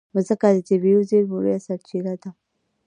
مځکه د طبعي زېرمو لویه سرچینه ده.